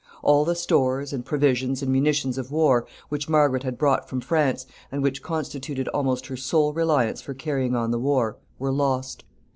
All the stores, and provisions, and munitions of war which Margaret had brought from France, and which constituted almost her sole reliance for carrying on the war, were lost.